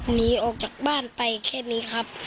หนีออกจากบ้านไปแค่นี้ครับ